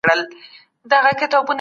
يو بل ته مينه ورکړئ.